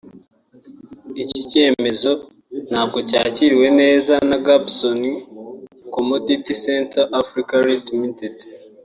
Iki cyemezo ntabwo cyakiriwe neza na Garbsons Commodities Central Africa Ltd